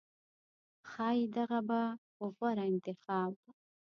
ښایي دغه به و غوره انتخاب